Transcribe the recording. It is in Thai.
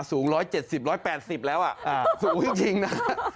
สูงจริงนะ